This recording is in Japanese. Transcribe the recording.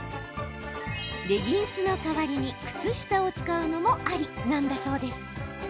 レギンスの代わりに靴下を使うのも、ありなんだそうです。